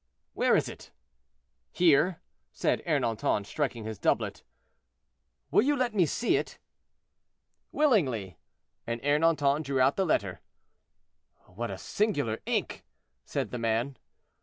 "—"Where is it?" "Here," said Ernanton, striking his doublet. "Will you let me see it?" "Willingly." And Ernanton drew out the letter. "What singular ink!" said the man.